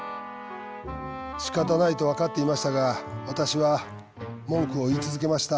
しかたないと分かっていましたが私は文句を言い続けました。